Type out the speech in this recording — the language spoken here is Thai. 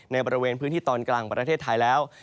ในบริเวณพื้นที่ตอนกลางประเทศไทยแล้ว